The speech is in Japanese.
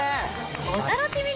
お楽しみに。